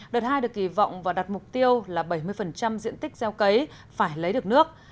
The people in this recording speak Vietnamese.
đợt hai được kỳ vọng và đặt mục tiêu là bảy mươi diện tích gieo cấy phải lấy được nước